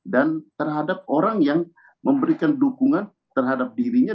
terhadap orang yang memberikan dukungan terhadap dirinya